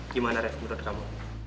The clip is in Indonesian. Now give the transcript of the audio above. gimana rev menurut kamu